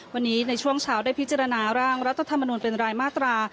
วันนี้ในช่วงเช้าได้พิจารณาร่างรัฐธรรมนุนเป็นรายมาตรา